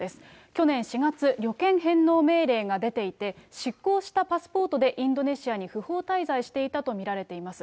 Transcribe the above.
去年４月、旅券返納命令が出ていて、失効したパスポートでインドネシアに不法滞在していたと見られています。